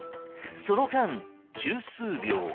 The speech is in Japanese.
その間、十数秒。